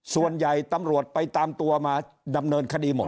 ส่วนใหญ่ตำรวจไปตามตัวมาดำเนินคดีหมด